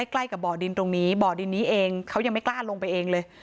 ใกล้กับบ่อดินตรงนี้บ่อดินนี้เองเขายังไม่กล้าลงไปเองเลย